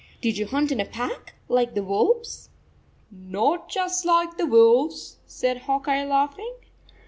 Did you hunt in a pack, like the wolves ?" "Not just like the wolves," said Hawk Eye, laughing.